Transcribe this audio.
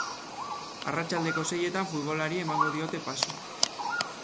Arratsaldeko seietan futbolari emango diote paso.